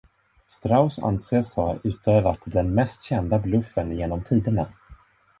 Straus anses ha utövat den mest kända bluffen genom tiderna.